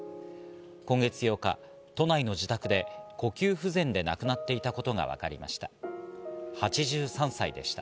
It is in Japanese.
今月８日、都内の自宅で呼吸不全で亡くなっていたことがわかりました。